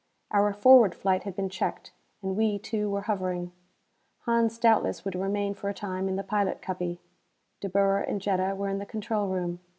Our forward flight had been checked, and we, too, were hovering. Hans doubtless would remain for a time in the pilot cubby; De Boer and Jetta were in the control room.